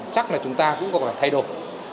chắc là chúng ta cũng có thể thay đổi